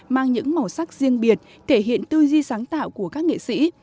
mang những màu sắc riêng biệt thể hiện tư duy sáng tạo của các nghệ sĩ